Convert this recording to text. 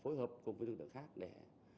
phối hợp cùng với lực lượng khác để